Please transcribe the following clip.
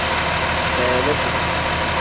Beeliti.